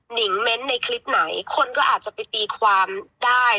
นิงเม้นต์ในคลิปไหนคนก็อาจจะไปตีความได้